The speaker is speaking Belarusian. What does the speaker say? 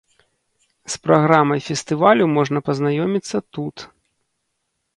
З праграмай фестывалю можна пазнаёміцца тут.